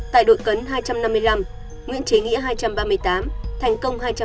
tại đội cấn hai trăm năm mươi năm nguyễn chế nghĩa hai trăm ba mươi tám thành công hai trăm hai mươi bốn